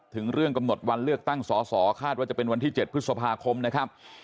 ถึงเรื่องกำหนดวันเลือกตั้งสอสอคาดว่าจะเป็นวันที่๗พฤษภาคมนะครับ